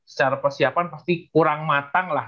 secara persiapan pasti kurang matang lah